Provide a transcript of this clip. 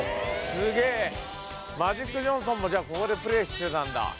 スゲェマジック・ジョンソンもここでプレーしてたんだ。